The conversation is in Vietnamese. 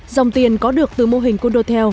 dòng tiền có được từ mô hình cô nô theo